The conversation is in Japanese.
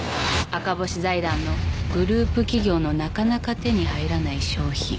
あかぼし財団のグループ企業のなかなか手に入らない商品。